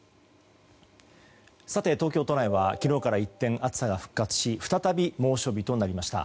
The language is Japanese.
東京都内は昨日から一転暑さが復活し再び猛暑日となりました。